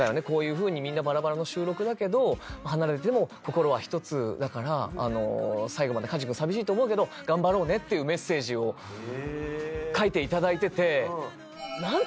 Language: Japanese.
こういうふうにみんなバラバラの収録だけど離れてても心は一つだから最後まで梶君寂しいと思うけど頑張ろうねっていうメッセージを書いて頂いてて。